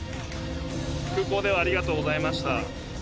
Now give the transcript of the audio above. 空港ではありがとうございました。